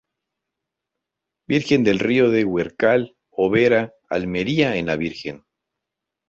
Virgen del Río de Huercal-Óvera, Almería en la Virgen.